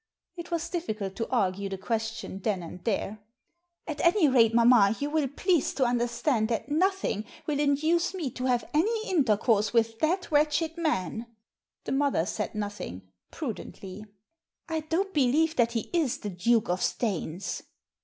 It was difficult to argue the question then and there. At any rate, mamma, you will please to under stand that nothing will induce me to have any inter course with that wretched man." The mother said nothing — prudently. " I don't believe that he is the Duke of Staines."